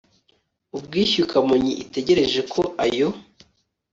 ubwishyu kamonyi itegereje ko ayo